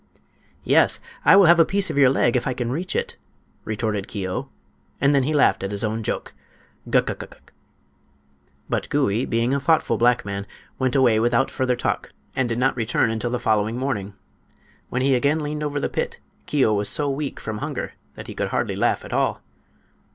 "Yes; I will have a piece of your leg, if I can reach it," retorted Keo; and then he laughed at his own joke: "Guk uk uk uk!" But Gouie, being a thoughtful black man, went away without further talk, and did not return until the following morning. When he again leaned over the pit Keo was so weak from hunger that he could hardly laugh at all.